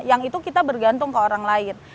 yang itu kita bergantung ke orang lain